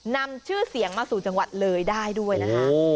นำชื่อเสียงมาสู่จังหวัดเลยได้ด้วยนะคะ